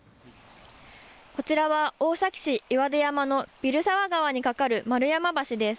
こちらは大崎市岩出山の蛭沢川に架かる丸山橋です。